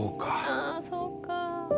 ああそうか。